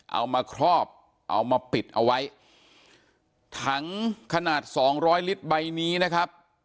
เอามาครอบเอามาปิดเอาไว้ถังขนาดสองร้อยลิตรใบนี้นะครับ